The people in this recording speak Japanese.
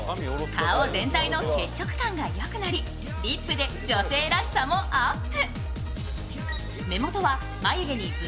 顔全体の血色感がよくなりリップで女性らしさもアップ。